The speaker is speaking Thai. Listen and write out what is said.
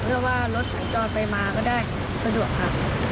เพื่อว่ารถสัญจรไปมาก็ได้สะดวกค่ะ